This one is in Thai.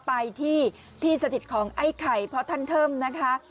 ไปที่ที่สถิตของไอ้ไข่เพราะท่านเทิมนะคะ